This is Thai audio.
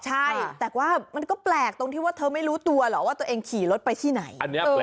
ใช่แต่ว่ามันก็แปลกตรงที่ว่าเธอไม่รู้ตัวหรอกว่าตัวเองขี่รถไปที่ไหน